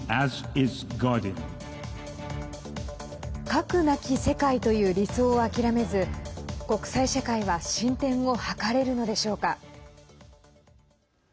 核なき世界という理想を諦めず国際社会は進展を図れるのでしょうか。